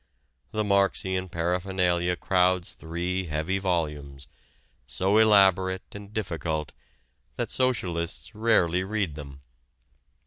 The Marxian paraphernalia crowds three heavy volumes, so elaborate and difficult that socialists rarely read them.